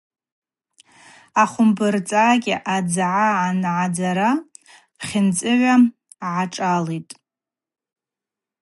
Ахвымбырцӏакӏьа адзгӏа ангӏадзара пхьынцӏыгӏва гӏшӏалитӏ.